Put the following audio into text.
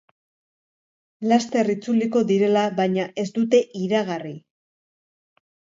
Laster itzuliko direla baina ez dute iragarri.